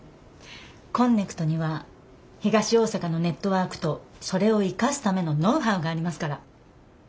こんねくとには東大阪のネットワークとそれを生かすためのノウハウがありますから。